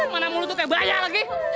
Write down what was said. mana mau lu tuh keberanian lagi